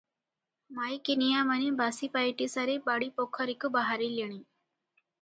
ମାଈକିନିଆମାନେ ବାସିପାଇଟିସାରି ବାଡ଼ି ପୋଖରୀକୁ ବାହାରିଲେଣି ।